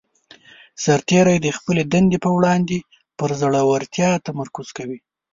سرتیری د خپلې دندې په وړاندې پر زړه ورتیا تمرکز کوي.